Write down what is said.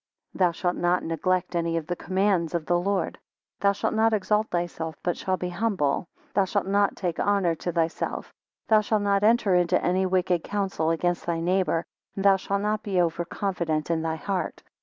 Thou shalt not neglect any of the commands of the Lord. 7 Thou shalt not exalt thyself, but shalt be humble. Then shalt not take honour to thyself. Thou shalt not enter into any wicked counsel against thy neighbour. Thou shalt not be over confident in thy heart.